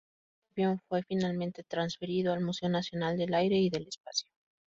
Este avión fue finalmente transferido al Museo Nacional del Aire y del Espacio.